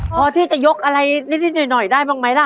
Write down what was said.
พอที่จะยกอะไรนิดหน่อยได้บ้างไหมล่ะ